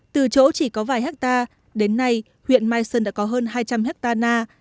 từ chỗ chỉ có vài hectare đến nay huyện mai sơn đã có hơn hai trăm linh hectare na